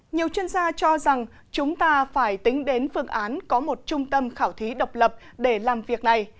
nhiều chuyên gia cho rằng chúng ta phải tính đến phương án có một trung tâm khảo thí độc lập để làm việc này